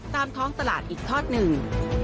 ตามท้องตลาดอีกทอดหนึ่ง